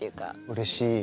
うれしい。